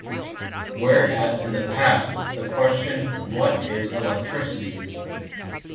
Whereas in the past the question What is electricity?